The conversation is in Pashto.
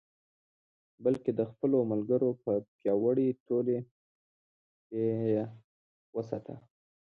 بلکې د خپلو ملګرو په پیاوړې ټولۍ کې یې وساته.